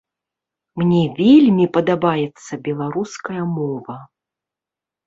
Мне вельмі падабаецца беларуская мова.